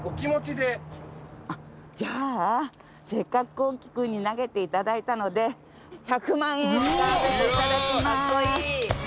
じゃあせっかく航希君に投げていただいたので１００万円使わせていただきます。